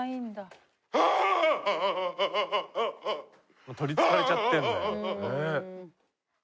もう取りつかれちゃってんだよ。